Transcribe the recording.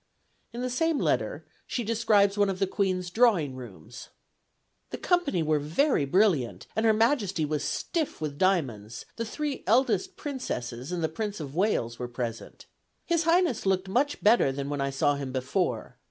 In the same letter she describes one of the Queen's 'drawing rooms.' "The company were very brilliant, and her Majesty was stiff with diamonds; the three eldest Princesses and the Prince of Wales were present. His Highness looked much better than when I saw him before.